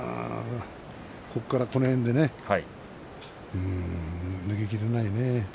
ここからこの辺で抜けきれないね。